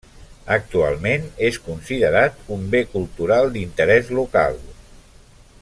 Actualment és considerat un Bé Cultural d'Interès Local.